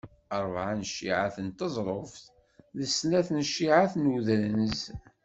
Rebεa n cciεat n teẓruft d Snat n cciεat n udrenz.